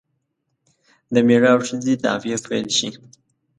د میړه او ښځې دعوې پیل شي.